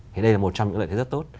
thì đây là một trong những lợi thế rất tốt